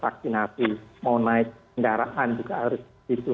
sudah vaksinasi mau naik kendaraan juga harus gitu